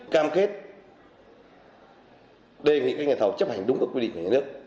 cam kết đề nghị các nhà thầu chấp hành đúng các quy định của nhà nước